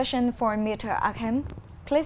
trong công việc của tôi